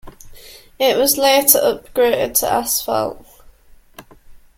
It was later upgraded to asphalt.